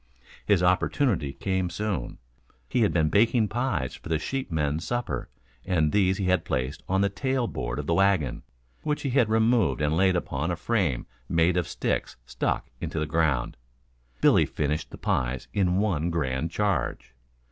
His opportunity came soon. He had been baking pies for the sheepmen's supper and these he had placed on the tail board of the wagon, which he had removed and laid upon a frame made of sticks stuck into the ground. Billy finished the pies in one grand charge.